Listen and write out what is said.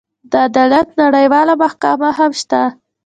د عدالت نړیواله محکمه هم شته.